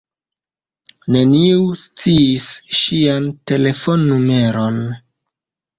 Neniu sciis ŝian telefonnumeron.